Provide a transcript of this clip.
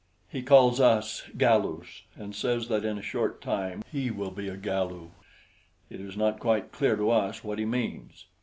He calls us Galus and says that in a short time he will be a Galu. It is not quite clear to us what he means.